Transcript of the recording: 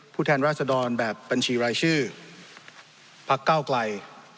แทนราชดรแบบบัญชีรายชื่อพักเก้าไกล